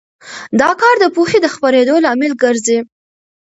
دا کار د پوهې د خپرېدو لامل ګرځي.